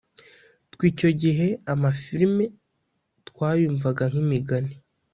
twe icyo gihe amafilme twayumvaga nk’imigani